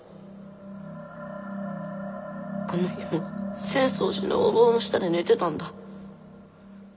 あの日も浅草寺のお堂の下で寝てたんだ。